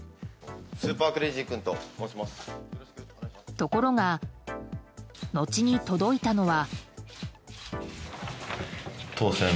ところが、後に届いたのは。